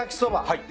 はい。